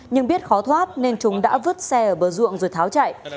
nhưng biết khó thoát nên chúng đã vứt xe ở bờ ruộng rồi tháo chạy